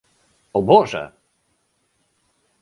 O Boże!